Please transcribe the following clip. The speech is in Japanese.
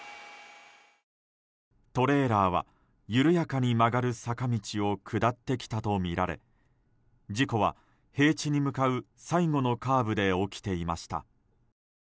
トレーラーは緩やかに曲がる坂道を下ってきたとみられ事故は、平地に向かう最後のカーブで起きていました。